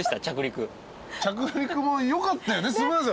着陸もよかったよね。